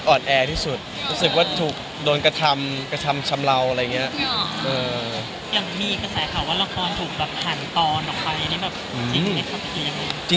ก็สายข่าวว่ารางคอนถูกหั่นตอนออกไปที่คุณได้ขับไปกินยังไง